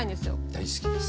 大好きです。